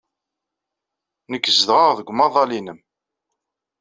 Nekk ddreɣ deg umaḍal-nnem.